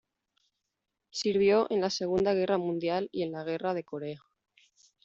Sirvió en la Segunda Guerra Mundial y en la Guerra de Corea.